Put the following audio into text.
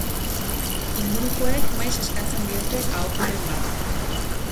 Ingurukoek maiz eskatzen diote ahokuren bat.